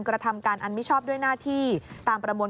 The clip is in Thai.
กระทำการอันมิชอบด้วยหน้าที่ตามประมวล